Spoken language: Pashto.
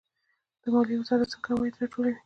د مالیې وزارت څنګه عواید راټولوي؟